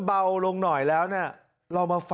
เผื่อ